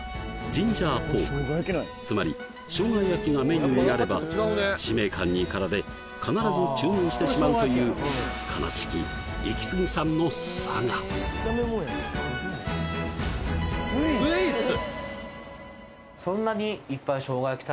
ジンジャーポークつまりしょうが焼きがメニューにあれば使命感に駆られ必ず注文してしまうという悲しきイキスギさんの性スイス！？